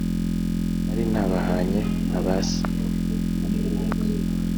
nari nabahanye na ba se